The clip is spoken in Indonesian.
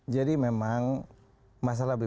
jadi memang masalah bpjs